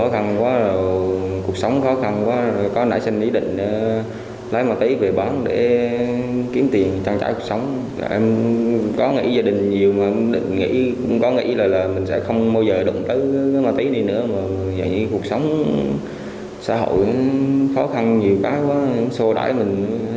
khó khăn nhiều quá sổ đáy mình phải làm kiếm tiền